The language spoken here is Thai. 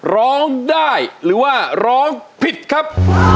ร้องได้หรือว่าร้องผิดครับ